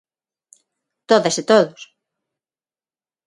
Todas e todos.